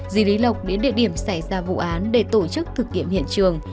dì lý lộc đến địa điểm xảy ra vụ án để tổ chức thực kiệm hiện trường